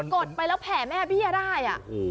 ดไปแล้วแผ่แม่เบี้ยได้